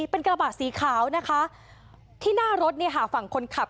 เป็นกระบะสีขาวนะคะที่หน้ารถเนี่ยค่ะฝั่งคนขับ